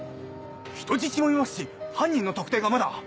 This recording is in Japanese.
人質もいますし犯人の特定がまだ。